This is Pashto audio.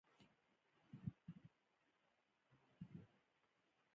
استاد بینوا د سوچه پښتو لپاره مبارزه وکړه.